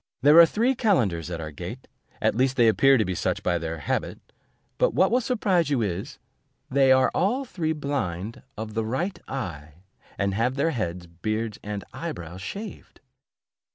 There are three calenders at our gate, at least they appear to be such by their habit; but what will surprise you is, they are all three blind of the right eye, and have their heads, beards, and eye brows shaved.